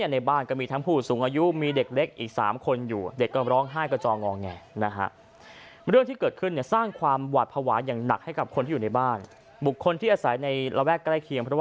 ดูที่อาศัยในระวักใกล้เคียง